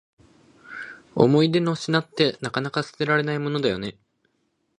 思い出の品って、なかなか捨てられないものだよね。